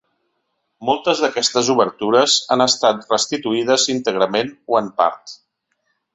Moltes d'aquestes obertures han estat restituïdes íntegrament o en part.